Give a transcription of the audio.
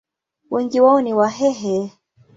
Wengi wao ni Wahehe.